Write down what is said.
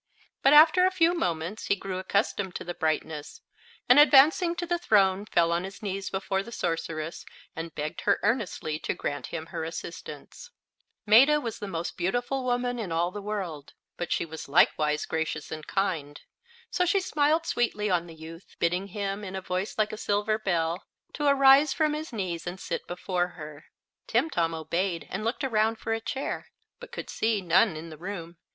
But after a few moments he grew accustomed to the brightness and advancing to the throne fell on his knees before the sorceress and begged her earnestly to grant him her assistance. Maetta was the most beautiful woman in all the world, but she was likewise gracious and kind. So she smiled sweetly on the youth, bidding him, in a voice like a silver bell, to arise from his knees and sit before her. Timtom obeyed and looked around for a chair, but could see none in the room.